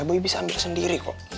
bu bisa ambil sendiri kok